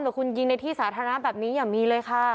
หรือคุณยิงในที่สาธารณะแบบนี้อย่ามีเลยค่ะ